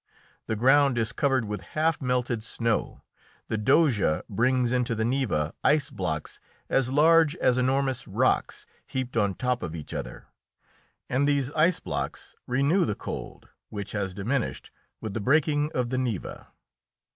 The ground is covered with half melted snow. The Doga brings into the Neva ice blocks as large as enormous rocks, heaped on top of each other, and these ice blocks renew the cold which has diminished with the breaking of the Neva.